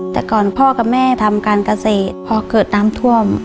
แต่ก่อนพ่อกับแม่ทำการเกษตรพอเกิดน้ำท่วม